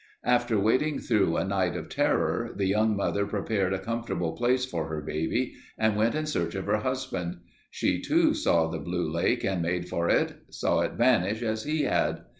After waiting through a night of terror, the young mother prepared a comfortable place for her baby and went in search of her husband. She too saw the blue lake and made for it, saw it vanish as he had.